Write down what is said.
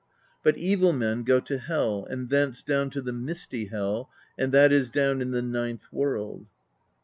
But evil men go to Hel and thence down to the Misty Hel; and that is down in the ninth world."